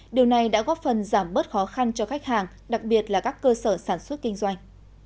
điều này đã góp phần giảm bớt khó khăn cho khách hàng đặc biệt là các cơ sở sản xuất kinh doanh